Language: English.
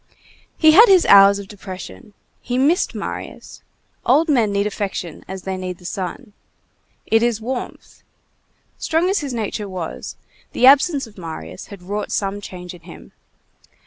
He had his hours of depression. He missed Marius. Old men need affection as they need the sun. It is warmth. Strong as his nature was, the absence of Marius had wrought some change in him.